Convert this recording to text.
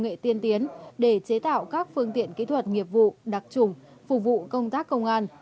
nghệ tiên tiến để chế tạo các phương tiện kỹ thuật nghiệp vụ đặc trùng phục vụ công tác công an